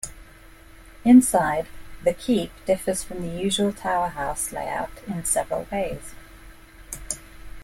Inside, the keep differs from the usual tower house layout in several ways.